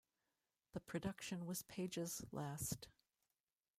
The production was Page's last.